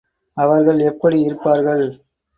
அவர்கள் எப்படி இருப்பார்கள்?